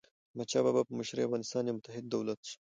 د احمدشاه بابا په مشرۍ افغانستان یو متحد دولت سو.